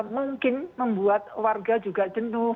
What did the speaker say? mungkin membuat warga juga jenuh